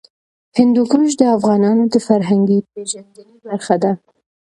هندوکش د افغانانو د فرهنګي پیژندنې برخه ده.